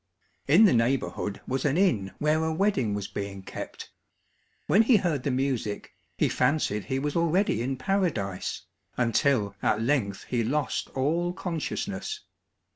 In the neighbourhood was an inn where a wedding was being kept; when he heard the music, he fancied he was already in Paradise, until at length he lost all consciousness.